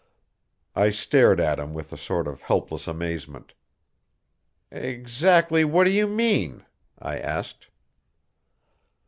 I stared at him with a sort of helpless amazement. "Exactly what do you mean?" I asked.